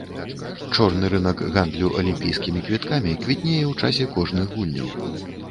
Чорны рынак гандлю алімпійскімі квіткамі квітнее ў часе кожных гульняў.